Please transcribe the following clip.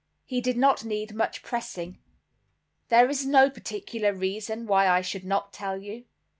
He did not need much pressing. "There is no particular reason why I should not tell you.